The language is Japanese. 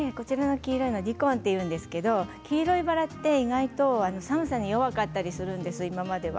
ディコンっていうんですけど黄色いバラって意外と寒さに弱かったりするんです今までは。